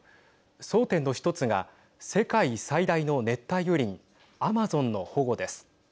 争点の１つが世界最大の熱帯雨林アマゾンの保護です。